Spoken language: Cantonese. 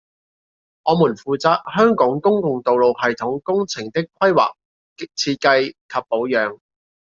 我們負責香港公共道路系統工程的規劃、設計及保養